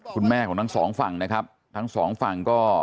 คุณแม่ของทั้งสองฝั่งนะครับทั้งสองฝั่งก็